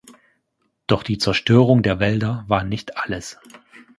Doch die Zerstörung der Wälder war nicht alles.